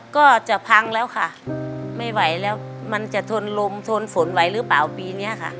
ก็จะพังแล้วค่ะไม่ไหวแล้วมันจะทนลมทนฝนไหวหรือเปล่าปีนี้ค่ะ